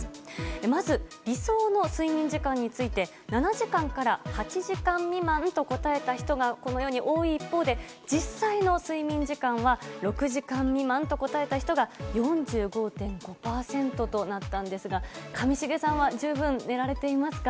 まず、理想の睡眠時間について７時間から８時間未満と答えた人が多い一方で、実際の睡眠時間は６時間未満と答えた人が４５．５％となったんですが上重さんは十分、寝られていますか。